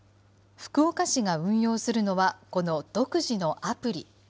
福岡市が運用するのは、この独自のアプリ。